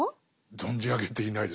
存じ上げていないです。